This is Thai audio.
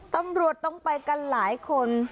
ตำรวจต้องไปกันหลายคน